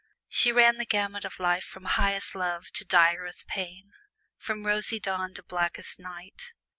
She ran the gamut of life from highest love to direst pain from rosy dawn to blackest night.